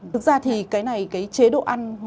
thực ra thì cái này cái chế độ ăn